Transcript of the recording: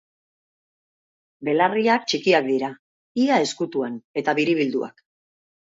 Belarriak txikiak dira, ia ezkutuan, eta biribilduak.